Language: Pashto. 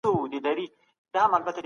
له دښتونو خالي لاس نه و راغلی